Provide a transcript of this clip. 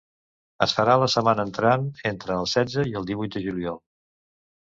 Es farà la setmana entrant, entre el setze i el divuit de juliol.